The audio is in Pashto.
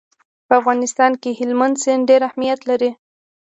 په افغانستان کې هلمند سیند ډېر اهمیت لري.